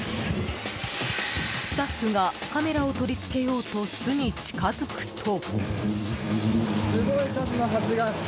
スタッフがカメラを取り付けようと巣に近づくと。